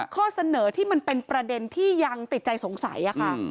ข้อเสนอที่มันเป็นประเด็นที่ยังติดใจสงสัยค่ะ